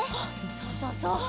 そうそうそう！